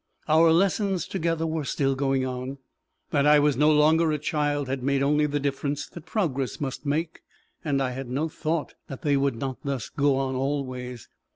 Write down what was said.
Our lessons together were still going on; that I was no longer a child had made only the difference that progress must make; and I had no thought that they would not thus go on always.